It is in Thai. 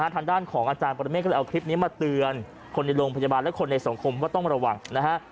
ทางด้านของอาจารย์ปรเมฆก็เลยเอาคลิปนี้มาเตือนคนในโรงพยาบาลและคนในสังคมว่าต้องระวังนะฮะ